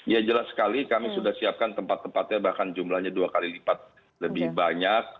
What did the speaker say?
ya jelas sekali kami sudah siapkan tempat tempatnya bahkan jumlahnya dua kali lipat lebih banyak